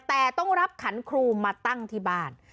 แต่ต้องรับขันครูมาตั้งที่บ้าน